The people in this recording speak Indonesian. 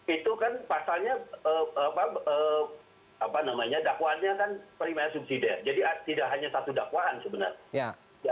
itu kan pasalnya